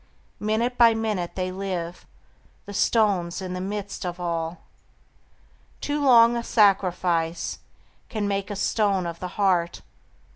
Minute by minute they live: The stone's in the midst of all. Too long a sacrifice Can make a stone of the heart.